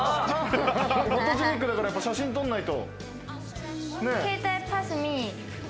フォトジェニックだからやっぱり写真撮らないと。